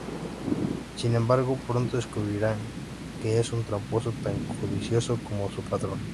Sin embargo, pronto descubrirán que es un tramposo tan codicioso como su patrón.